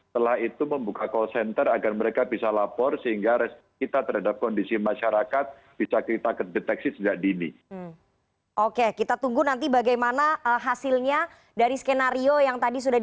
selamat sore mbak rifana